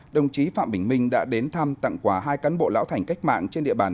đồng chí phạm bình minh đã đến thăm tặng quà hai cán bộ lão thành cách mạng trên địa bàn